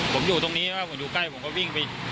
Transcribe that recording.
ผมอยู่ตรงนี้ถ้าผมอยู่ใกล้ผมก็วิ่งไป